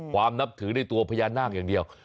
นับถือในตัวพญานาคอย่างเดียว